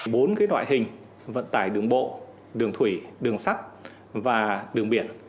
bốn loại hình vận tải đường bộ đường thủy đường sắt và đường biển